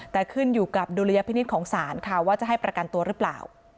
แต่ขึ้นอยู่กับดุลยพินิษฐ์ของศาลค่ะว่าจะให้ประกันตัวหรือเปล่า